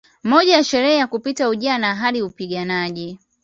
Moja ya sherehe ya kupita ujana hadi upiganaji